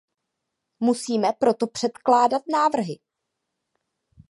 Musíme proto předkládat návrhy.